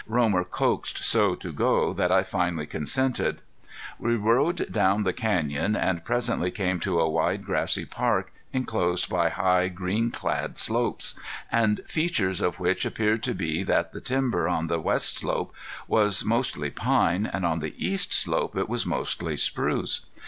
Romer coaxed so to go that I finally consented. We rode down the canyon, and presently came to a wide grassy park inclosed by high green clad slopes, the features of which appeared to be that the timber on the west slope was mostly pine, and on the east slope it was mostly spruce.